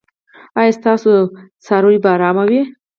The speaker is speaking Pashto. ایا ستاسو څاروي به ارام وي؟